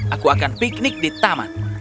aku akan piknik di taman